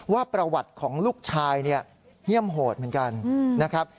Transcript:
ว่าประวัติของลูกชายเนี่ยเยี่ยมโหดเหมือนกันนะครับ